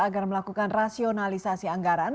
agar melakukan rasionalisasi anggaran